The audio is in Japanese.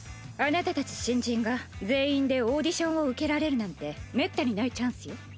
あなたたち新人が全員でオーディションを受けられるなんてめったにないチャンスよ。